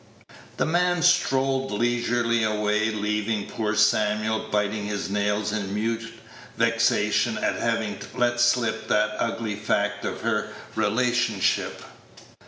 The man strolled leisurely away, leaving poor Samuel biting his nails in mute vexation at having let slip that ugly fact of her relationship.